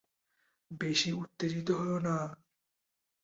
বেশি উত্তেজিত হয়ো না।